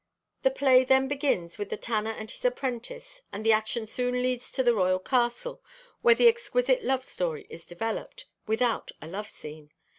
The play then begins with the tanner and his apprentice, and the action soon leads to the royal castle, where the exquisite love story is developed, without a love scene.